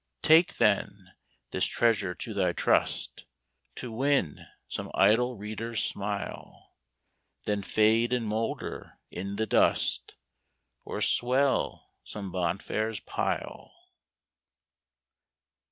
Take, then, this treasure to thy trust, To win some idle reader's smile, Then fade and moulder in the dust, Or swell some bonfire's pile.